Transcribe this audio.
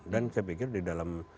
dan saya pikir di dalam